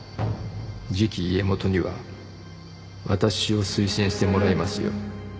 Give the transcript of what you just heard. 次期家元には私を推薦してもらいますよ